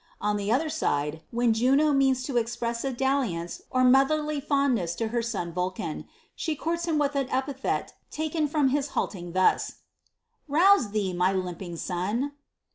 On the other side, when Juno means to express a dalliance or motherly fondness to her son Vulcan, she courts him with an epithet taken from his halting, thus, Rouse thee, my limping son